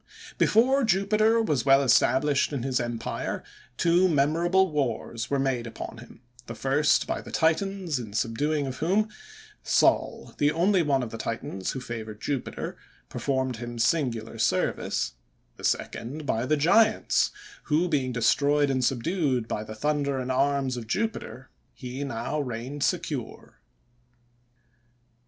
Before Jupiter was well established in his empire, two memorable wars were made upon him; the first by the Titans, in subduing of whom, Sol, the only one of the Titans who favored Jupiter, performed him singular service; the second by the giants, who being destroyed and subdued by the thunder and arms of Jupiter, he now reigned secure.